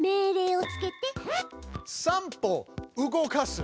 「３歩動かす」。